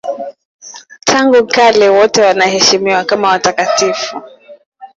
Tangu kale wote wanaheshimiwa kama watakatifu.